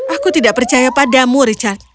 aku tidak percaya padamu richard